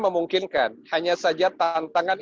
memungkinkan hanya saja tantangan